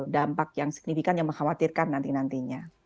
dampak yang signifikan yang mengkhawatirkan nanti nantinya